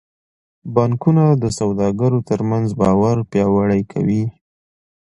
بانکونه د سوداګرو ترمنځ باور پیاوړی کوي.